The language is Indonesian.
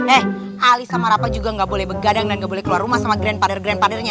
eh ali sama rafa juga gak boleh begadang dan gak boleh keluar rumah sama grand pader grandpadernya